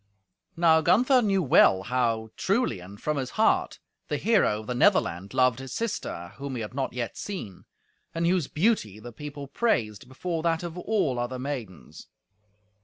Now Gunther knew well how, truly and from his heart, the hero of the Netherland loved his sister whom he had not yet seen, and whose beauty the people praised before that of all other maidens.